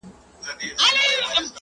د نادانی عمر چي تېر سي نه راځینه؛